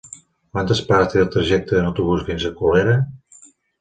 Quantes parades té el trajecte en autobús fins a Colera?